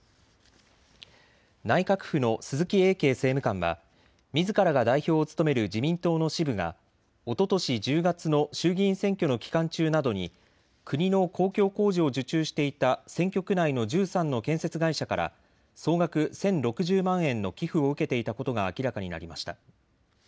内閣府の鈴木英敬政務官はみずからが代表を務める自民党の支部がおととし１０月の衆議院選挙の期間中などに国の公共工事を受注していた選挙区内の１３の建設会社から総額１０６０万円の寄付を受けていたことが明らかになりました。